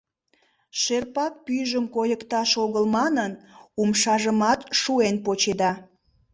Шерпак пӱйжым койыкташ огыл манын, умшажымат шуэн почеда.